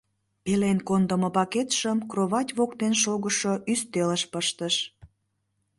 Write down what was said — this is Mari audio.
Пелен кондымо пакетшым кровать воктен шогышо ӱстелыш пыштыш.